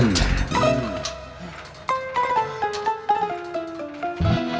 iya nih ditepansin